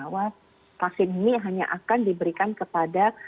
bahwa vaksin ini hanya akan diberikan kepada